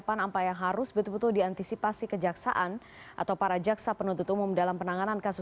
pak martin simanjunta pak martin selamat sore